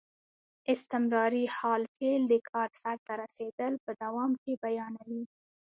استمراري حال فعل د کار سرته رسېدل په دوام کې بیانیوي.